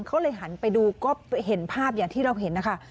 เขาเลยหันไปดูก็เห็นภาพอย่างที่เราเห็นนะคะ